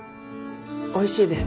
おいしいです。